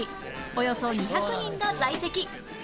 およそ２００人が在籍